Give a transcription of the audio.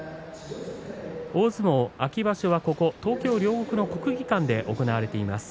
大相撲秋場所は東京の両国の国技館で行われています。